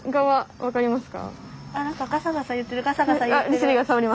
分かりますか。